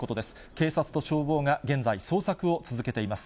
警察と消防が現在、捜索を続けています。